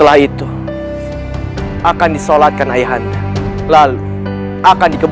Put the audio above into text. yaitu pedang halilintar